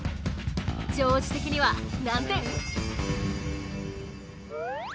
丈司的には何点？